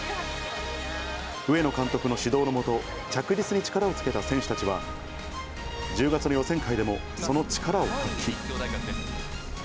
上野監督の指導の下、着実に力をつけた選手たちは、１０月の予選会でもその力を発揮。